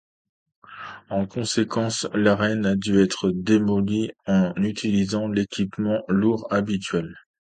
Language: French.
En conséquence, l'arène a dû être démolie en utilisant l'équipement lourd habituel.